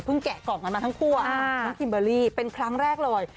แกะกล่องกันมาทั้งคู่น้องคิมเบอร์รี่เป็นครั้งแรกเลย